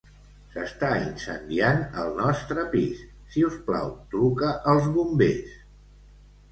S'està incendiant el nostre pis, si us plau, truca als bombers.